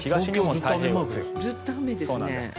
東京はずっと雨ですね。